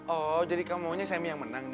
oh jadi kamu maunya semmy yang menang nih